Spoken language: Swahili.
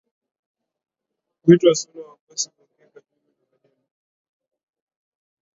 huitwa Suna Wagwasi Ungoe Kajulu na Kadem